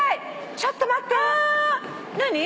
ちょっと待って。